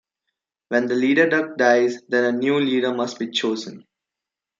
When the leader duck dies, then a new leader must be chosen.